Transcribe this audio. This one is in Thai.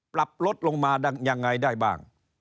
ปรับลดลงมายังไงได้บ้าง